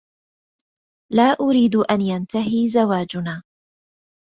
لا أريد أن ينتهي زواجنا.